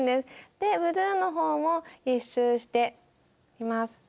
でブルーのほうも１周しています。